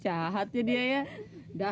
cahatnya dia ya